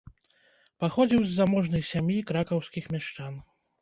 Паходзіў з заможнай сям'і кракаўскіх мяшчан.